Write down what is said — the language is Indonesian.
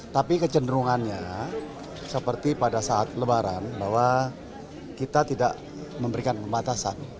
tapi kecenderungannya seperti pada saat lebaran bahwa kita tidak memberikan pembatasan